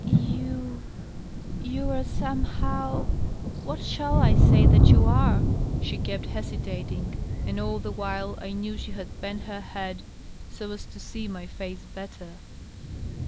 "You .. you are somehow .. what shall I say that you are?" she kept hesitating, and all the while I knew she had bent her head so as to see my face better.